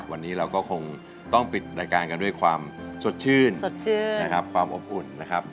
วันนี้เราก็คงต้องปิดรายการกันด้วยความสดชื่นความอบอุ่นนะครับ